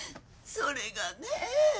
それがねぇ。